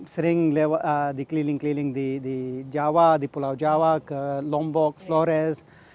sering dikeliling keliling di jawa di pulau jawa ke lombok flores